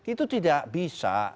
itu tidak bisa